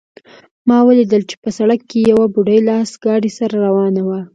ما ولیدل چې په سړک کې یوه بوډۍ لاس ګاډۍ سره روانه وه